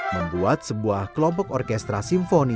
membuat sebuah kelompok orkestra simfoni